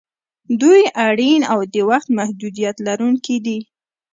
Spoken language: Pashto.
دوی اړین او د وخت محدودیت لرونکي دي.